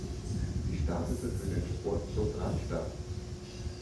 Sie startete für den Sportclub Radstadt.